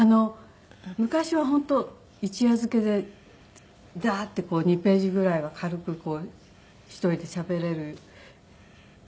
昔は本当一夜漬けでダーッて２ページぐらいは軽く１人でしゃべれたはずなんですけども。